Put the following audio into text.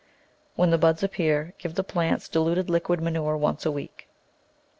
When the buds appear give the plants diluted liquid manure once a week.